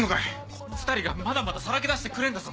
この２人がまだまだ曝け出してくれんだぞ！